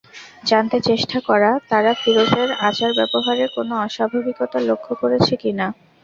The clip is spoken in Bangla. জানতে চেষ্টা করা, তারা ফিরোজের আচার ব্যবহারে কোনো অস্বাভাবিকতা লক্ষ করেছে কি না।